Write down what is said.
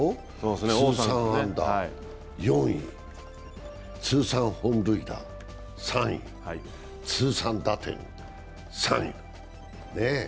通算安打４位、通算本塁打３位、通算打点３位。